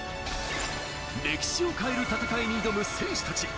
歴史を変える戦いに挑む選手たち。